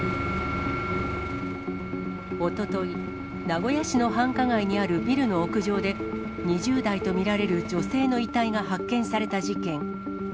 おととい、名古屋市の繁華街にあるビルの屋上で、２０代と見られる女性の遺体が発見された事件。